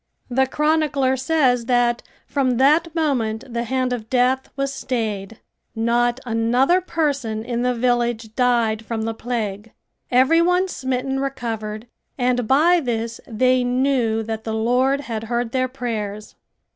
The chronicler says that from that moment the hand of death was stayed. Not another person in the village died from the plague. Every one smitten recovered and by this they knew that the Lord had heard their prayers.